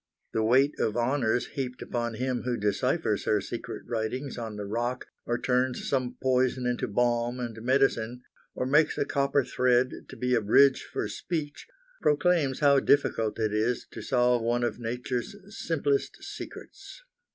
The weight of honors heaped upon him who deciphers her secret writings on the rock or turns some poison into balm and medicine, or makes a copper thread to be a bridge for speech, proclaims how difficult it is to solve one of nature's simplest secrets.